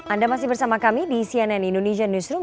anda masih bersama kami di cnn indonesia newsroom